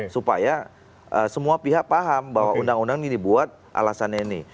supaya semua pihak paham bahwa undang undang ini dibuat alasannya ini